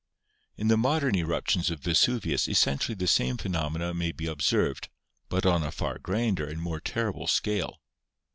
In the modern eruptions of Vesuvius essentially the same phenomena may be observed, but on a far grander and more terrible scale.